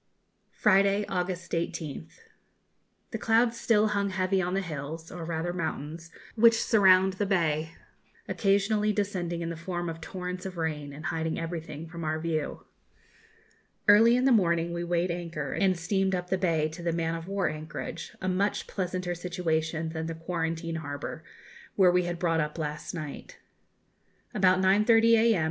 _ Friday, August 18th. The clouds still hung heavy on the hills, or rather mountains, which surround the bay, occasionally descending in the form of torrents of rain, and hiding everything from our view. Early in the morning we weighed anchor and steamed up the bay to the man of war anchorage, a much pleasanter situation than the quarantine harbour, where we had brought up last night. About 9.30 a.m.